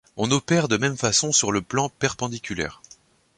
On opère de même façon sur le plan perpendiculaire.